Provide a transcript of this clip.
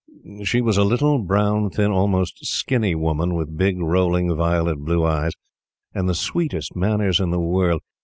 She was a little, brown, thin, almost skinny, woman, with big, rolling, violet blue eyes, and the sweetest manners in the world.